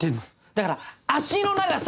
だから足の長さ！